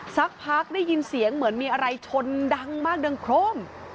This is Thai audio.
สักพักได้ยินเสียงเหมือนมีอะไรชนดังมากดังโครม